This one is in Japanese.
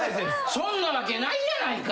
そんなわけないやないか！